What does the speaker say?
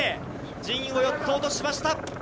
順位を４つ落としました。